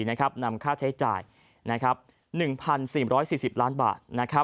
นำค่าใช้จ่าย๑๔๔๐ล้านบาท